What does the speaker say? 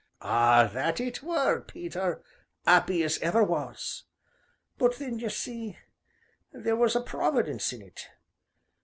"Ah! that it were, Peter, 'appy as ever was but then, ye see, there was a Providence in it.